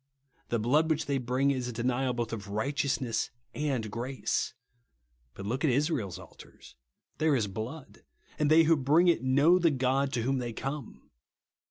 The blood which they bring is a denial both of righteousness and grace. But look at Israel's altars. There is blood ; and they who bring it know the God to whom they come.